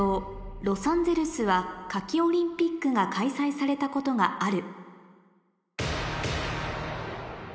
「ロサンゼルスは夏季オリンピックが開催されたことがある」